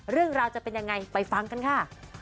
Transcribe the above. เรื่องราวจะเป็นยังไงไปฟังกันค่ะ